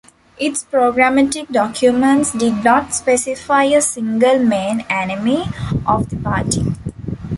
Its programmatic documents did not specify a single main enemy of the party.